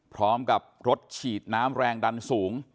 พร้อมกับรถฉีดน้ำแรงดันสูง